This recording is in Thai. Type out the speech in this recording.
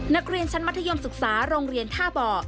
นักเรียนชั้นมัธยมศึกษาโรงเรียนท่าบ่อ